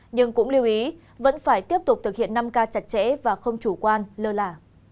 nhưng cũng lưu ý vẫn phải tiếp tục thực hiện năm k chặt chẽ và không chủ quan lơ lả